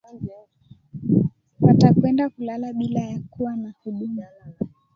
watakwenda kulala bila ya kua na huduma